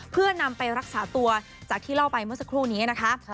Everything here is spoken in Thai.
เพื่อนำไปรักษาตัวจากที่เล่าไปเมื่อสักครู่นี้นะคะ